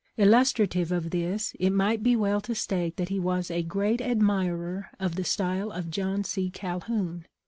Illustrative of this it might be well to state that he was a great admirer of the style of John C. Calhoun.